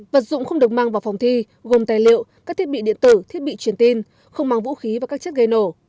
vật dụng không được mang vào phòng thi gồm tài liệu các thiết bị điện tử thiết bị truyền tin không mang vũ khí và các chất gây nổ